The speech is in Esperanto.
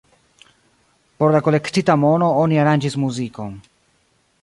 Por la kolektita mono oni aranĝis muzikon.